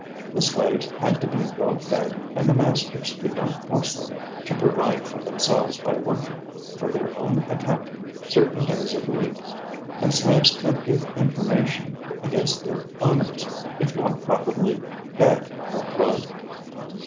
The slaves had to be well fed and the masters could not force them to provide for themselves by working for their own account certain days of the week and slaves could give information against their owners, if not properly fed or clothed.